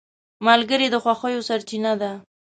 ملګری د خوښیو سرچینه ده